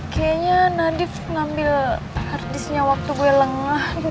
kayanya nadif ngambil harddisknya waktu gue lengah